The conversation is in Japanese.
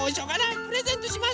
プレゼントします。